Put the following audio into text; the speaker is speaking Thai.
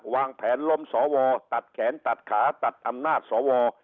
วางแผนล้มสวตัดแขนตัดขาตัดอำนาจสว